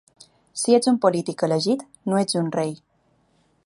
Si ets un polític elegit, no ets un rei.